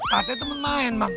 katanya temen main mang